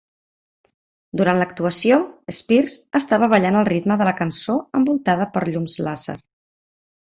Durant l'actuació, Spears estava ballant al ritme de la cançó envoltada per llums làser.